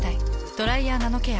「ドライヤーナノケア」。